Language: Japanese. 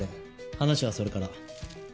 話はそれから。